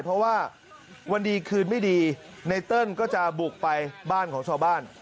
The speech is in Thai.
เพราะว่าวันดีคืนไม่ดีไนเติ้ลก็จะบุกไปบ้านของชาวบ้าน